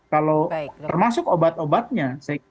kalau termasuk obat obatnya